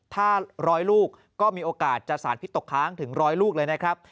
ถ้าร้อยลูกก็มีโอกาสจะสารพิษตกค้างถึงร้อยลูกเลยนะครับ